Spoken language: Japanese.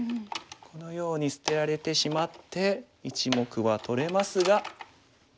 このように捨てられてしまって１目は取れますが。